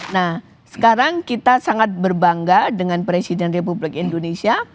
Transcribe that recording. nah sekarang kita sangat berbangga dengan presiden republik indonesia